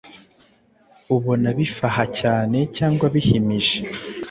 ubona bifaha cyane cyangwa bihimihije